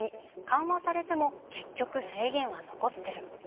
緩和されても結局、制限は残ってる。